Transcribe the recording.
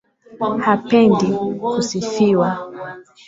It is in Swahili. Hapendi kusifiwa\